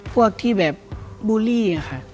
พวกที่แบบบูลลี่ค่ะ